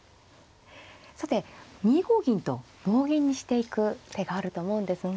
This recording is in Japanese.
さて２五銀と棒銀にしていく手があると思うんですが。